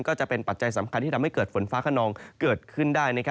ก็จะเป็นปัจจัยสำคัญที่ทำให้เกิดฝนฟ้าขนองเกิดขึ้นได้